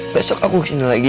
besok aku kesini lagi